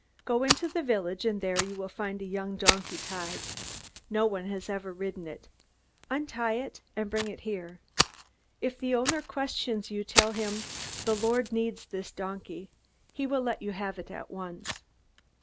"Go into the village, and there you will find a young donkey tied. No one has ever ridden it. Untie it and bring it here. If the owner questions you, tell him, 'The Lord needs this donkey.' He will let you have it at once."